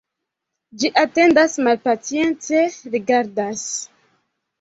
Ĝi atendas, malpacience rigardas.